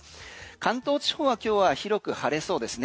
関東地方は今日は広く晴れそうですね。